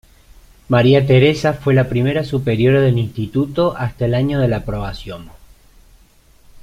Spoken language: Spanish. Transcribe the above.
María Teresa fue la primera superiora del instituto hasta el año de la aprobación.